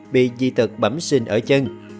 bị dị tật bẩm sinh ở chân